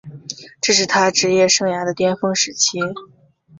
这是他职业生涯的巅峰时期。